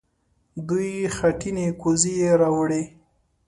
دوې خټينې کوزې يې راوړې.